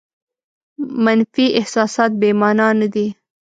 منفي احساسات بې مانا نه دي.